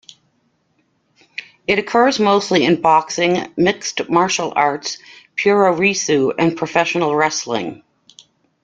It occurs mostly in boxing, mixed martial arts, puroresu and professional wrestling.